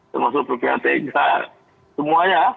termasuk pphtk semuanya